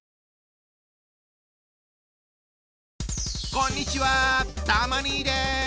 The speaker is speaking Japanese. こんにちはたま兄です。